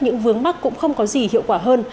những vướng mắc cũng không có gì hiệu quả hơn